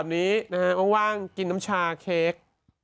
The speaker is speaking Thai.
ตอนนี้ว่างกินน้ำชาเค้ก